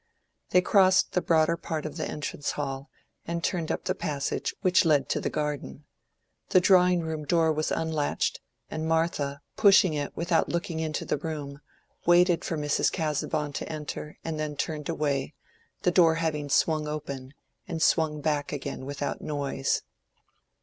They crossed the broader part of the entrance hall, and turned up the passage which led to the garden. The drawing room door was unlatched, and Martha, pushing it without looking into the room, waited for Mrs. Casaubon to enter and then turned away, the door having swung open and swung back again without noise.